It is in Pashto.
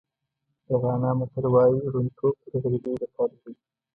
د غانا متل وایي ړوندتوب تر غریبۍ بدتر دی.